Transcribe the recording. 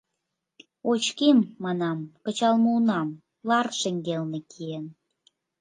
Очким, — манам, — кычал муынам, лар шеҥгелне киен.